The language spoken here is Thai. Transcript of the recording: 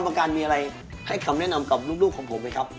คณะกรรมการมีอะไรให้คำแนะนำกับลูกของผมเลยนะครับ